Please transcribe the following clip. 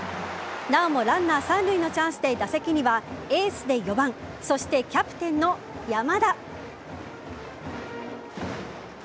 なおもランナー三塁のチャンスで打席にはエースで４番そしてキャプテンの山田。